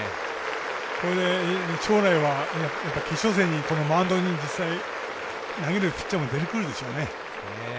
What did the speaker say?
これで将来は決勝戦にマウンドで実際、投げるピッチャーも出てくるでしょうね。